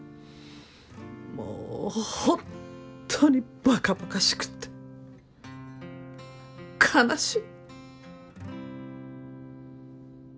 もう本当にバカバカしくって悲しい。